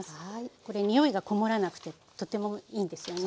これ匂いがこもらなくてとてもいいんですよね。